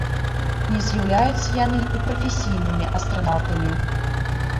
Не з'яўляюцца яны і прафесійнымі астранаўтамі.